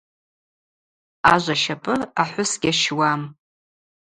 Ажв ащапӏы ахӏвыс гьащуам.